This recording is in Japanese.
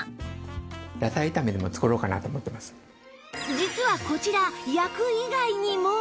実はこちら焼く以外にも